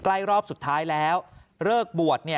รอบสุดท้ายแล้วเลิกบวช